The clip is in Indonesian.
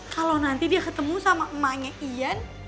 kalau nanti dia ketemu sama emaknya ian